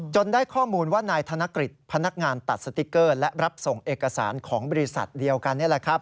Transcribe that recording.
ได้ข้อมูลว่านายธนกฤษพนักงานตัดสติ๊กเกอร์และรับส่งเอกสารของบริษัทเดียวกันนี่แหละครับ